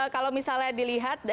kalau misalnya dilihat